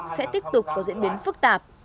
sẽ tiếp tục có diễn biến phức tạp